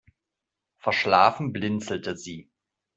Verschlafen blinzelte sie.